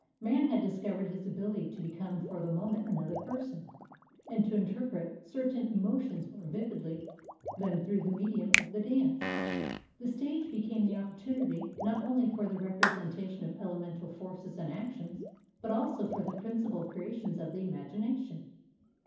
Man had discovered his ability to become for the moment another person, and to interpret certain emotions more vividly than279 through the medium of the dance. The stage became the opportunity not only for the representation of elemental forces and actions, but also for the principal creations of the imagination.